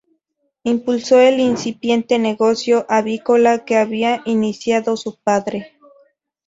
Impulsó el incipiente negocio avícola que había iniciado su padre.